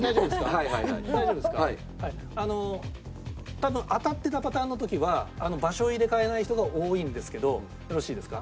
多分当たってたパターンの時は場所を入れ替えない人が多いんですけどよろしいですか？